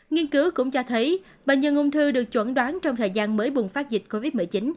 nghiên cứu cũng cho thấy bệnh nhân ung thư được chuẩn đoán trong thời gian mới bùng phát dịch covid một mươi chín